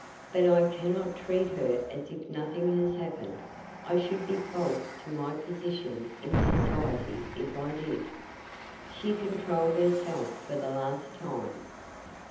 But I cannot treat her as if nothing has happened. I should be false to my position in society if I did." She controlled herself for the last time.